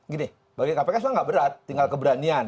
gini bagi kpk sudah tidak berat tinggal keberanian